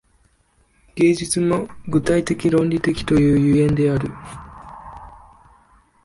芸術も具体的論理的という所以である。